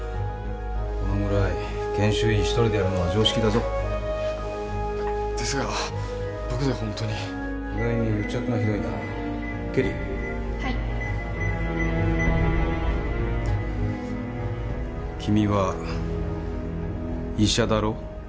このぐらい研修医一人でやるのが常識だぞですが僕で本当に意外に癒着がひどいな君は医者だろ？